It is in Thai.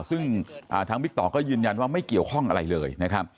ซึ่งทางบิ๊กต่อก็ยืนยันว่าไม่เกี่ยวข้องอะไรเลยนะครับ